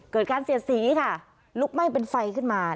เกิดการเสียดสีค่ะลุกไหม้เป็นไฟขึ้นมา